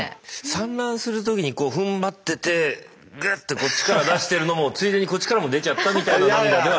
産卵する時にこうふんばっててグッと力出してるのもついでにこっちからも出ちゃったみたいな涙ではない？